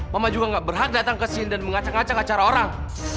mama juga gak berhak datang kesini dan mengaceng aceng acara orang